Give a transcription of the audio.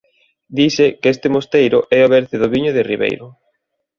Dise que este mosteiro é o berce do viño do Ribeiro.